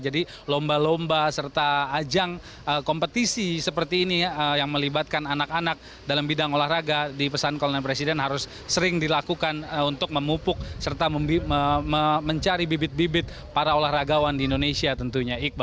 jadi lomba lomba serta ajang kompetisi seperti ini yang melibatkan anak anak dalam bidang olahraga di pesan kolonial presiden harus sering dilakukan untuk memupuk serta mencari bibit bibit para olahragawan di indonesia tentunya